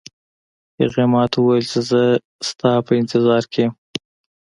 هغې ما ته وویل چې زه د تا په انتظار کې یم